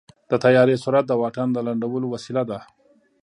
د طیارې سرعت د واټن د لنډولو وسیله ده.